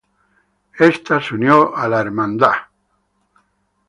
Esta se unió a la Hermandad de Nuestra Señora de la Soledad.